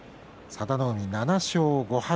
佐田の海７勝５敗